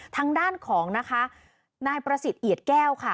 ทางด้านของนะคะนายประสิทธิ์เอียดแก้วค่ะ